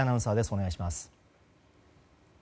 お願いします。